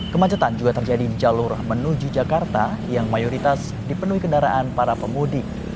kemacetan juga terjadi di jalur menuju jakarta yang mayoritas dipenuhi kendaraan para pemudik